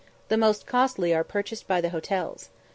The most costly are purchased by the hotels.